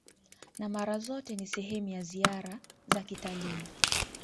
na mara zote ni sehemu ya ziara za kitalii